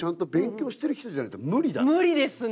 無理ですね。